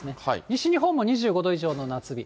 西日本も２５度以上の夏日。